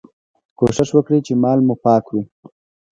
کوښښ وکړئ چي مال مو پاک وي.